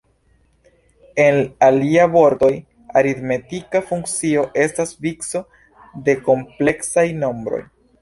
En alia vortoj, aritmetika funkcio estas vico de kompleksaj nombroj.